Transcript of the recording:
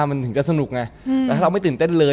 มันถึงจะสนุกไงแต่ถ้าเราไม่ตื่นเต้นเลย